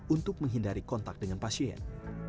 untuk menghindari kontak dengan pasien